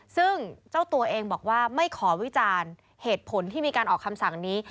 ซึ่งเจ้าตัวเองบอกว่าไม่ขอวิจารณ์เหตุผลที่มีการออกคำสั่งนี้